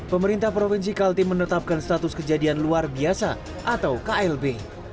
pemerintah provinsi kaltim menetapkan status kejadian luar biasa atau klb